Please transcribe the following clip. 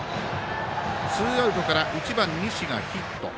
ツーアウトから１番、西がヒット。